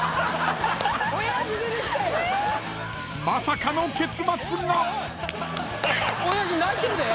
［まさかの結末が］